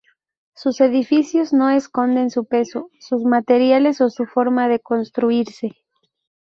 Sus edificios no esconden su peso, sus materiales o su forma de construirse.